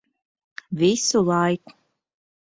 Visu laiku.